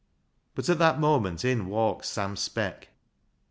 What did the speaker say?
But at that moment in walked Sam Speck.